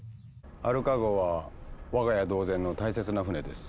アルカ号は我が家同然の大切な船です。